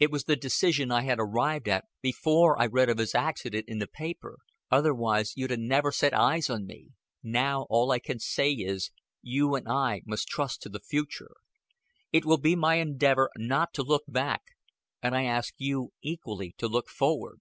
It was the decision I had arrived at before I read of his accident in the paper. Otherwise you'd 'a' never set eyes on me. Now all I can say is, you and I must trust to the future. It will be my endeavor not to look back, and I ask you equally to look forward."